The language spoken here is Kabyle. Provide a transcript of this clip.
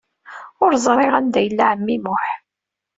Ur ẓṛiɣ anda i yella ɛemmi Muḥ.